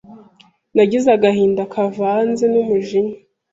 nagize agahinda kavanze n’umujinya.